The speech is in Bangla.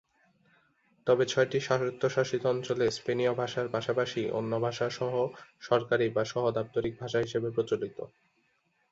তবে ছয়টি স্বায়ত্তশাসিত অঞ্চলে স্পেনীয় ভাষার পাশাপাশি অন্য ভাষা সহ-সরকারী বা সহ-দাপ্তরিক ভাষা হিসেবে প্রচলিত।